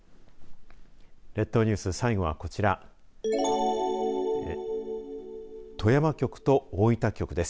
列島ニュース、最後はこちら富山局と大分局です。